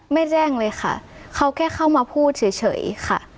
ไม่แจ้งเลยค่ะเขาแค่เข้ามาพูดเฉยค่ะ